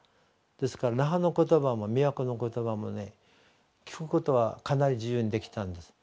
ですから那覇の言葉も宮古の言葉もね聞くことはかなり自由にできたんです。